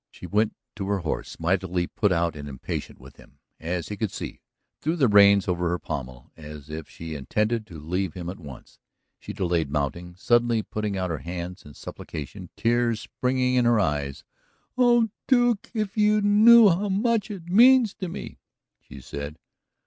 She went to her horse, mightily put out and impatient with him, as he could see, threw the reins over her pommel, as if she intended to leave him at once. She delayed mounting, suddenly putting out her hands in supplication, tears springing in her eyes. "Oh, Duke! If you knew how much it means to me," she said.